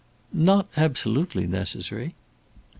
"Not absolutely necessary."